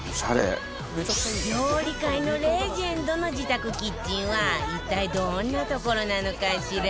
料理界のレジェンドの自宅キッチンは一体どんな所なのかしら？